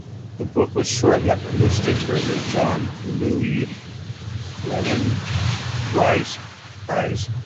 The book was shortlisted for the John Llewellyn Rhys prize.